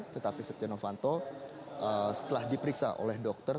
tetapi stiano vanto setelah diperiksa oleh dokter